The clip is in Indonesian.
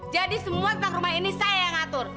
jadi semua tenag rumah ini saya yang ngatur